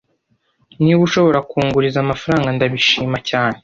Niba ushobora kunguriza amafaranga, ndabishima cyane.